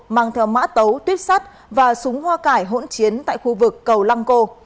mang theo mã tấu tuyếp sắt và súng hoa cải hỗn chiến tại khu vực cầu lăng cô